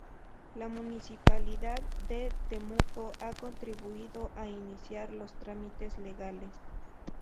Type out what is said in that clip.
La municipalidad de Temuco ha contribuido a iniciar los trámites legales.